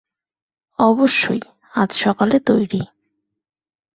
অবশ্যই, আজ সকালে তৈরি।